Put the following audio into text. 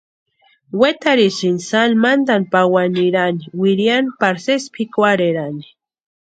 Wetarhisïnti sani mantani pawani nirani wiriani pari sési pʼikwarherani.